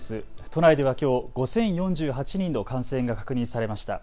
都内ではきょう５０４８人の感染が確認されました。